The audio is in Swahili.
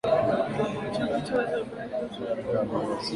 mchakato wa zabuni zote unapangwa na benki kuu